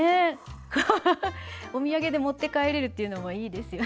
お土産で持って帰れるっていうのもいいですよね。